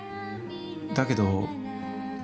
だけど。